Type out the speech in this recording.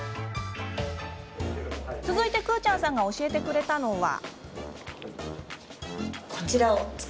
続いて、くぅちゃんさんが教えてくれたのは。